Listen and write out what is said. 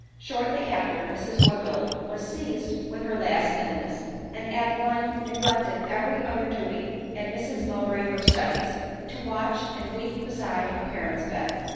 Shortly after, Mrs Woodville was seized with her last illness ; and Adeline neglected every other duty, and Mrs Mowbray her studies, " to watch, and weep, beside a parent's bed."